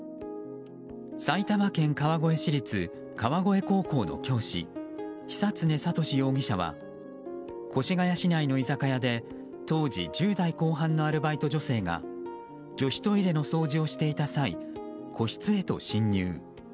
埼玉県川越市立川越高校の教師久恒聰容疑者は越谷市内の居酒屋で当時１０代後半のアルバイト女性が女子トイレの掃除をしていた際個室へと侵入。